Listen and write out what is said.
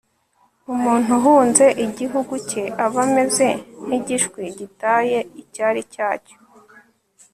umuntu uhunze igihugu cye aba ameze nk'igishwi gitaye icyari cyacyo